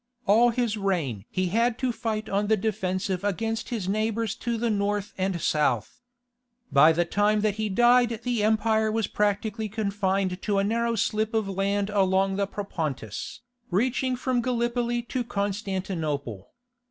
All his reign he had to fight on the defensive against his neighbours to the north and south. By the time that he died the empire was practically confined to a narrow slip of land along the Propontis, reaching from Gallipoli to Constantinople.